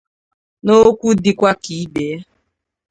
N'okwu dịkwa ka ibe ya